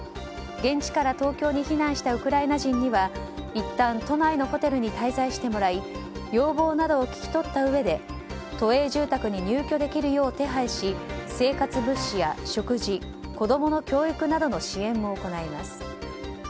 現地から東京に避難したウクライナ人にはいったん都内のホテルに滞在してもらい要望などを聞き取ったうえで都営住宅に入居できるよう手配し生活物資や食事子供の教育などの支援を行います。